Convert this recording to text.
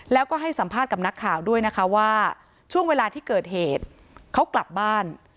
แล้วก็ให้สัมภาษณ์กับนักข่าวด้วยนะคะว่าช่วงเวลาที่เกิดเหตุเขากลับบ้าน